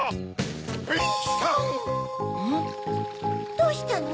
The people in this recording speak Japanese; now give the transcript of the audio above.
どうしたの？